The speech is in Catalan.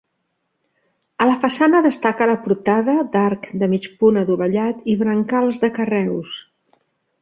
A la façana destaca la portada, d'arc de mig punt adovellat i brancals de carreus.